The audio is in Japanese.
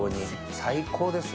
最高ですよ。